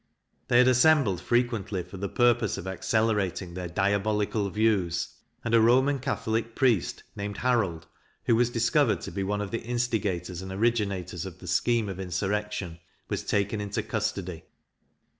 They had assembled frequently for the purpose of accelerating their diabolical views, and a Roman Catholic priest, named Harold, who was discovered to be one of the instigators and originators of the scheme of insurrection, was taken into custody.